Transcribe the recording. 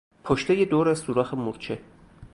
پشتهی دور سوراخ مورچه